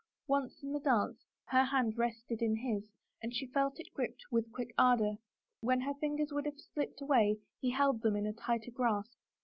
Once in the dance her hand rested in his and she felt it gripped with quick ardor; when her fingers would have slipped away he held them in a tighter grasp.